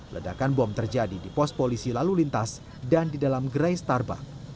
ledakan bom terjadi di pos polisi lalu lintas dan di dalam gerai starbuk